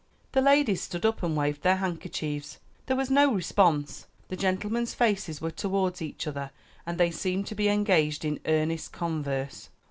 The ladies stood up and waved their handkerchiefs. There was no response; the gentlemen's faces were towards each other and they seemed to be engaged in earnest converse.